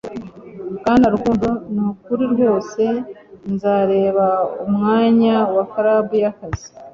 Bwana Rukundo Nukuri rwose nzareba mumwanya wa club yakazi